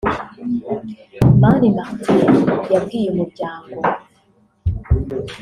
Mani Martin yabwiye Umuryango